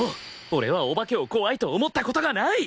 俺はお化けを怖いと思った事がない！